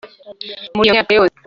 muri iyo myaka yose